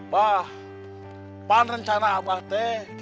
pak pan rencana abah teh